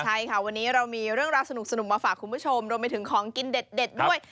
ใช่ค่ะวันนี้เรามีเรื่องราวสนุกมาฝากคุณผู้ชมรวมไปถึงของกินเด็ดด้วย